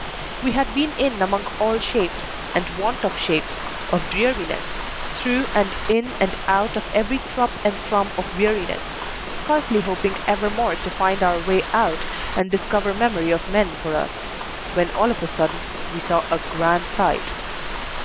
We had been in among all shapes, and want of shapes, of dreariness, through and in and out of every thrup and thrum of weariness, scarcely hoping ever more to find our way out and discover memory of men for us, when all of a sudden we saw a grand sight.